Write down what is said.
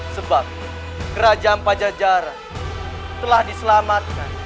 sebab kerajaan pajajar telah diselamatkan